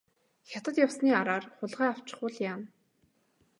Хятад явсны араар хулгай авчихвал яана.